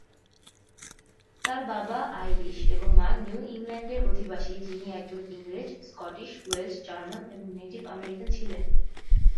তার বাবা আইরিশ এবং মা নিউ ইংল্যান্ডের অধিবাসী, যিনি একজন ইংরেজ, স্কটিশ, ওয়েলশ, জার্মান, এবং নেটিভ আমেরিকান ছিলেন।